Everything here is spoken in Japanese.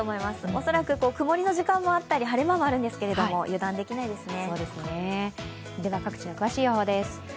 おそらく曇りの時間もあったり晴れ間もあるんですけど、油断できないですね。